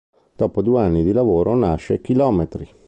Dopo due anni di lavoro nasce "Kilometri".